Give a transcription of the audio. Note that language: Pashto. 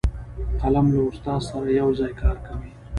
قلم له استاد سره یو ځای کار کوي